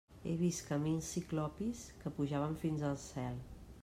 He vist camins ciclopis que pujaven fins al cel.